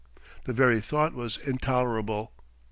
The very thought was intolerable....